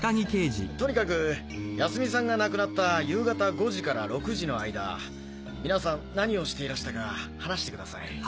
とにかく泰美さんが亡くなった夕方５時から６時の間皆さん何をしていらしたか話してください。